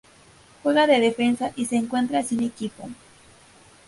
Juega de defensa y se encuentra sin equipo.